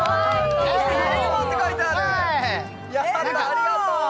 ありがとう。